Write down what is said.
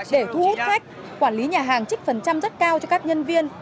để thu hút khách quản lý nhà hàng trích phần trăm rất cao cho các nhân viên